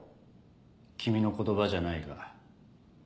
君の言葉じゃないが。